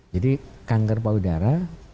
jadi kanker payudara